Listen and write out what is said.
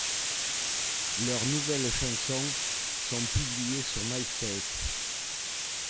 Leurs nouvelles chansons sont publiées sur MySpace.